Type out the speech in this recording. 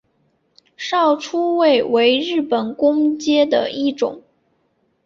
少初位为日本官阶的一种。